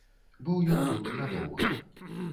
Быў ён тут нядоўга.